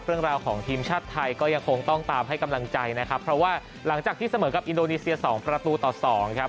เรื่องราวของทีมชาติไทยก็ยังคงต้องตามให้กำลังใจนะครับเพราะว่าหลังจากที่เสมอกับอินโดนีเซียสองประตูต่อสองครับ